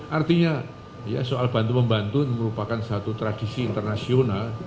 artinya ya soal bantu membantu merupakan satu tradisi internasional